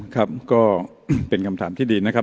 ครับก็เป็นคำถามที่ดีนะครับ